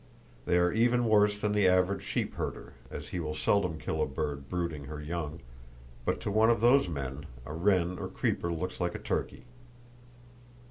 They are even worse than the average sheep herder, as he will seldom kill a bird brooding her young, but to one of those men, a wren or creeper looks like a turkey.